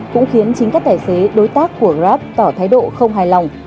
cũng khiến chính các tài xế đối tác của grab tỏ thái độ không hài lòng